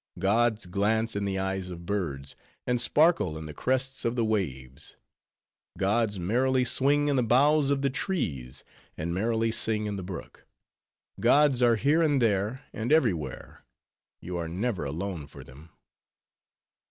Gods glance in the eyes of birds, and sparkle in the crests of the waves; gods merrily swing in the boughs of the trees, and merrily sing in the brook. Gods are here, and there, and every where; you are never alone for them."